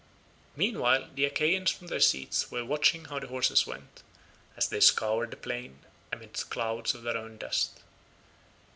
Meanwhile the Achaeans from their seats were watching how the horses went, as they scoured the plain amid clouds of their own dust.